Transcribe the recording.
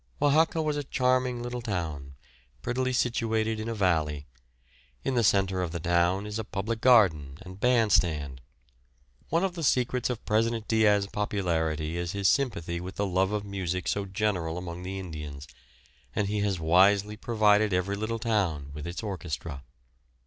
Oaxaca was a charming little town, prettily situated in a valley; in the centre of the town is a public garden and bandstand. One of the secrets of President Diaz's popularity is his sympathy with the love of music so general among the Indians, and he has wisely provided every little town with its orchestra.